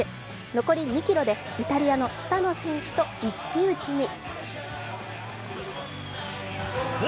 残り２ｋｍでイタリアのスタノ選手と一騎打ちに。